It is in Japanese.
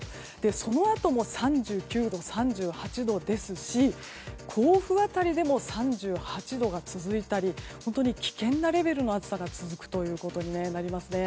そのあとも３９度、３８度ですし甲府辺りでも３８度が続いたり危険なレベルの暑さが続くということになりますね。